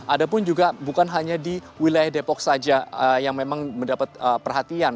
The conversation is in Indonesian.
ada pun juga bukan hanya di wilayah depok saja yang memang mendapat perhatian